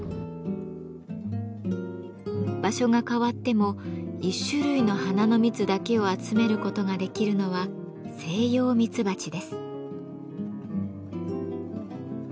場所が変わっても１種類の花の蜜だけを集めることができるのはセイヨウミツバチです。